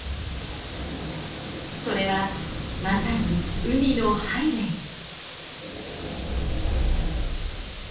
それはまさに海のハイウエー。